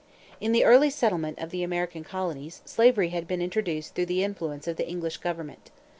In the early settlement of the American colonies, slavery had been introduced through the influence of the English government.